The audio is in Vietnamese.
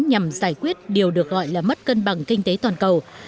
nhằm giải quyết điều được gọi là mất cân bằng kinh tế toàn cầu